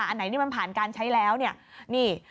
อันไหนนี่มันผ่านการใช้แล้วเนี่ยนี่